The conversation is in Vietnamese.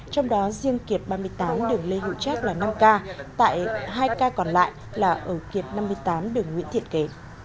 trong đó riêng kiệt ba mươi tám đường lê hữu trác là năm ca tại hai ca còn lại là ở kiệt năm mươi tám đường nguyễn thiện kế